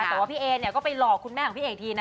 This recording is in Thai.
แต่ว่าพี่เอเนี่ยก็ไปหลอกคุณแม่ของพี่เอกทีนะ